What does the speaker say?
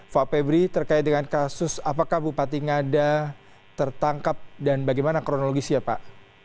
pak febri terkait dengan kasus apakah bupati ngada tertangkap dan bagaimana kronologisnya pak